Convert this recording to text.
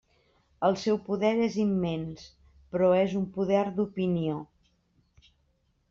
El seu poder és immens; però és un poder d'opinió.